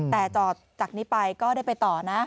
แต่จอดจากนี้ไปก็ได้ไปต่อนะ